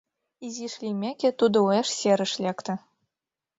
Изиш лиймеке, тудо уэш серыш лекте.